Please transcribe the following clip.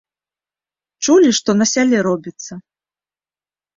Чулі, што на сяле робіцца?